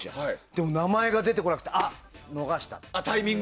でも、名前が出てこなくてあっ、逃した。